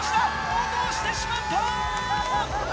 落としてしまった！